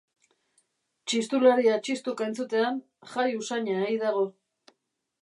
Txistularia txistuka entzutean jai usaina ei dago.